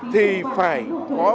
thì phải có